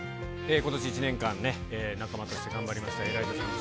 ことし１年間ね、仲間として頑張りましたエライザさんです。